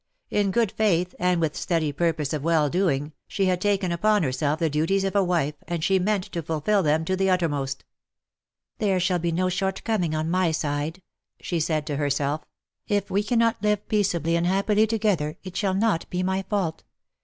In good faith, and with steady purpose of well doing, she had taken upon herself the duties of a wife, and she meant to fulfil them to the uttermost. "There shall be no shortcoming on my side,^'' WE DRAW NICtH THEE." 177 she said to herself. " If we cannot live peaceably and happily together it shall not be my fault.